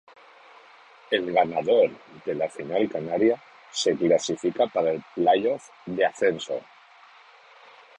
El ganador de la final canaria se clasifica para el playoff de ascenso.